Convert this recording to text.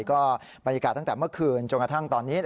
ก็บรรยากาศตั้งแต่เมื่อคืนจนกระทั่งตอนนี้